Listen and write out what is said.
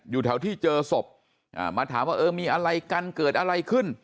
อยู่แถวที่เจอศพมาถามว่าเออมีอะไรกันเกิดอะไรขึ้น